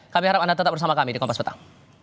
kami harap anda tetap bersama kami di kompas petang